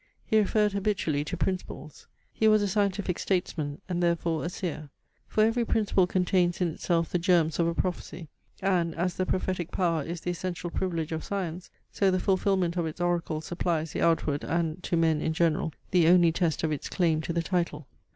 He referred habitually to principles. He was a scientific statesman; and therefore a seer. For every principle contains in itself the germs of a prophecy; and, as the prophetic power is the essential privilege of science, so the fulfilment of its oracles supplies the outward and, (to men in general,) the only test of its claim to the title.